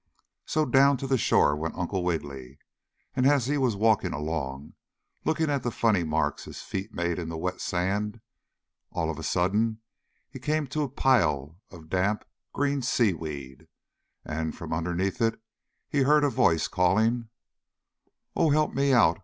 So down to the shore went Uncle Wiggily and as he was walking along, looking at the funny marks his feet made in the wet sand, all of a sudden he came to a pile of damp, green seaweed, and from underneath it he heard a voice calling: "Oh, help me out!